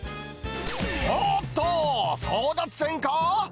おおっと、争奪戦か？